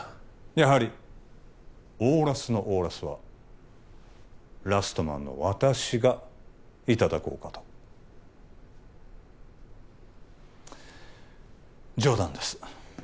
やはりオーラスのオーラスはラストマンの私がいただこうかと冗談です